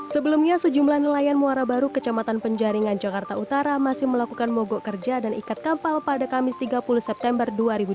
sebelumnya sejumlah nelayan muara baru kecamatan penjaringan jakarta utara masih melakukan mogok kerja dan ikat kapal pada kamis tiga puluh september dua ribu dua puluh